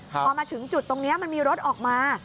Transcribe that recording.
พอมาถึงจุดตรงนี้มันมีรถออกมา